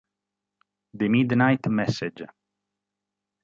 The Midnight Message